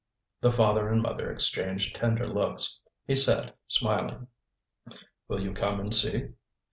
The father and mother exchanged tender looks. He said, smiling: "Will you come and see?"